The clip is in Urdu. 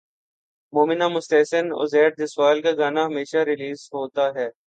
مومنہ مستحسن عزیر جسوال کا گانا ہمیشہ ریلیز